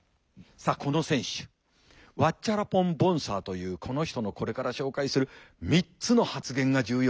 さあこの選手ワッチャラポン・ボンサーというこの人のこれから紹介する「３つの発言」が重要。